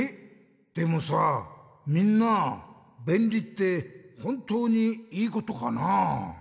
でもさみんなべんりってほんとうにいいことかな？